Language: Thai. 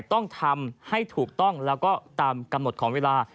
ต้องทำให้ถูกต้องแล้วก็ตามกำหนดของเวลา